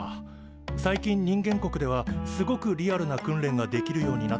最近人間国ではすごくリアルな訓練ができるようになってるんだって。